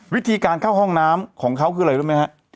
วิธีการเข้าห้องน้ำของเขาคืออะไรรู้ไหมฮะ